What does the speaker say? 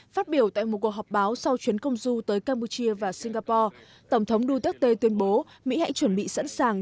phát biểu tại một cuộc họp báo sau chuyến công du tới campuchia và singapore tổng thống duterte tuyên bố mỹ hãy chuẩn bị sẵn sàng